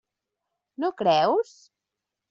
No creus?